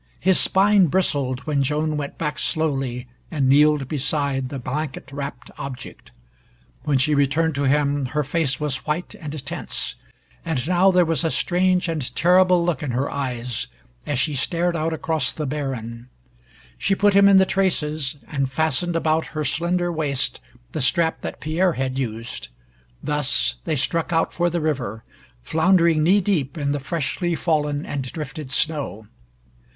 His spine bristled when Joan went back slowly and kneeled beside the blanket wrapped object. When she returned to him her face was white and tense, and now there was a strange and terrible look in her eyes as she stared out across the barren. She put him in the traces, and fastened about her slender waist the strap that Pierre had used. Thus they struck out for the river, floundering knee deep in the freshly fallen and drifted snow.